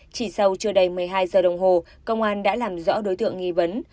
chỉ sau chưa đầy một mươi hai giờ đồng hồ công an đã làm rõ đối tượng nghi vấn